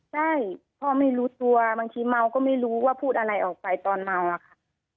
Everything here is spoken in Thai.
ใช่พ่อไม่รู้ตัวบางทีเมาก็ไม่รู้ว่าพูดอะไรออกไปตอนเมาอะค่ะ